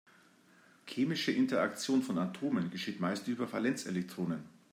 Chemische Interaktion von Atomen geschieht meist über die Valenzelektronen.